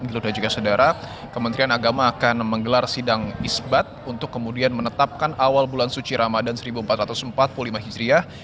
juga sedara kementerian agama akan menggelar sidang isbat untuk kemudian menetapkan awal bulan suci ramadan seribu empat ratus empat puluh lima hijriah